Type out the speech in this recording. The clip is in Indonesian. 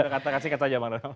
kata kata aja bang donald